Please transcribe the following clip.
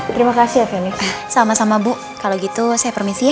terima kasih sama sama bu kalau gitu saya permisi ya